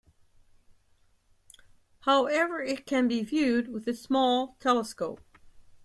However, it can be viewed with a small telescope.